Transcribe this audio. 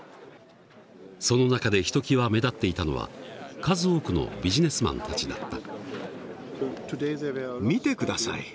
その中でひときわ目立っていたのは数多くのビジネスマンたちだった。